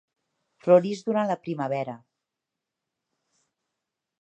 Floreix durant la primavera.